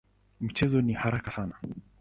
Mchezo ni haraka sana.